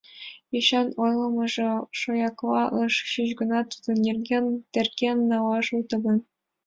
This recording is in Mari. — Йочан ойлымыжо шоякла ыш чуч гынат, тудын нерген терген налаш уто огыл...